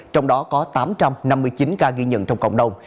trong đó có tám trăm năm mươi chín ca ghi nhận trong cộng đồng